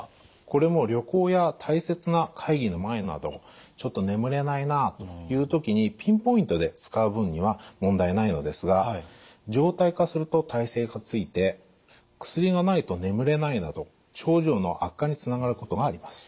これも旅行や大切な会議の前などちょっと眠れないなという時にピンポイントで使う分には問題ないのですが常態化すると耐性がついて薬がないと眠れないなど症状の悪化につながることがあります。